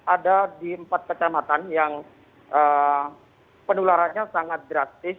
ada di empat kecamatan yang penularannya sangat drastis